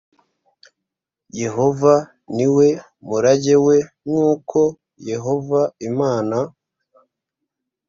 yehova ni we murage we nk uko yehova imana